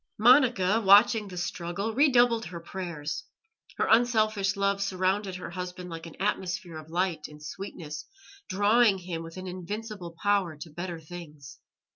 Monica, watching the struggle, redoubled her prayers; her unselfish love surrounded her husband like an atmosphere of light and sweetness, drawing him with an invincible power to better things.